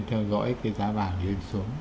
theo dõi cái giá vàng đi lên xuống